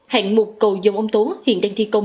hạng mục cầu dòng ông tố hiện đang thi công